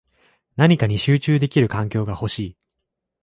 何かに集中できる環境が欲しい